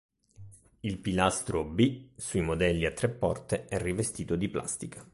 Il pilastro B, sui modelli a tre porte, è rivestito di plastica.